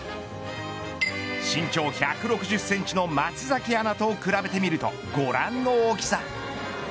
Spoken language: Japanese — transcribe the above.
身長１６０センチの松崎アナと比べてみるとご覧の大きさ。